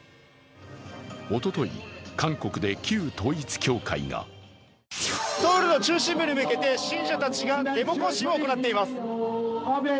おととい、韓国で旧統一教会がソウルの中心部に向けて信者たちがデモ行進を行っています。